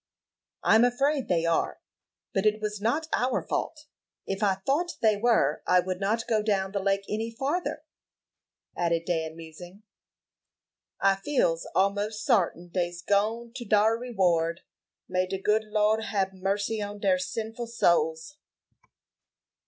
"I'm afraid they are; but it was not our fault. If I thought they were, I would not go down the lake any farther," added Dan, musing. "I feels almost sartin dey's gone to dar reward 'may de good Lo'd hab mercy on dar sinful souls.'"